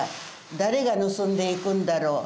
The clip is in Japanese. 誰が盗んでいくんだろう。